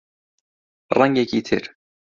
ڕەنگێکی تر